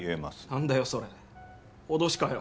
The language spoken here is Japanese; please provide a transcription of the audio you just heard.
何だよそれ脅しかよ